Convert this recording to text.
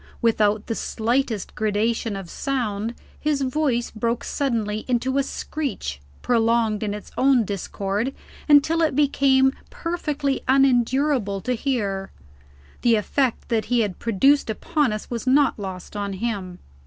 Without the slightest gradation of sound, his voice broke suddenly into a screech, prolonged in its own discord until it became perfectly unendurable to hear. The effect that he had produced upon us was not lost on him.